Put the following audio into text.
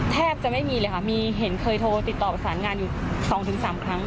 แทบจะไม่มีเลยค่ะมีเห็นเคยโทรติดต่อประสานงานอยู่๒๓ครั้ง